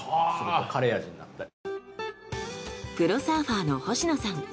プロサーファーの星野さん。